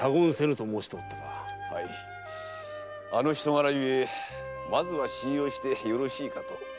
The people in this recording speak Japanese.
はいあの人柄ゆえまずは信用してよろしいかと。